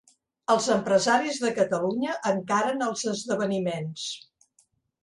Els empresaris de Catalunya encaren els esdeveniments.